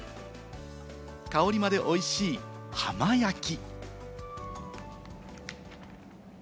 香りまでおいしい、浜焼き。